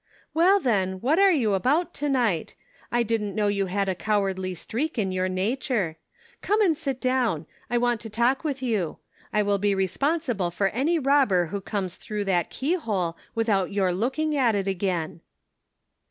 " Well, then, what are you about to night ? I didn't know you had a cowardly streak in your nature. Come and sit down ; I want to talk with you. I will be responsible for any robber who comes through that key hole with out your looking at it again."